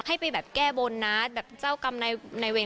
ให้ไปแบบแก้บนนะแบบเจ้ากรรมในเวร